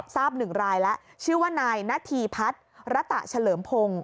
ทราบหนึ่งรายแล้วชื่อว่านายนาธีพัฒน์ระตะเฉลิมพงศ์